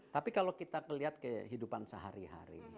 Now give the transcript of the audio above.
tapi kalau kita melihat kehidupan sehari hari